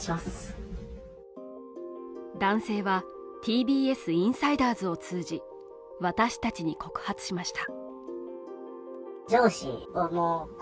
男性は、ＴＢＳインサイダーズを通じ私たちに告発しました。